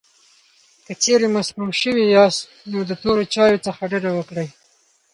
که چېرې مسموم شوي یاست، نو د تورو چایو څخه ډډه وکړئ.